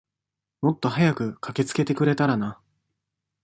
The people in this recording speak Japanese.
もっと早く駆けつけてくれたらな。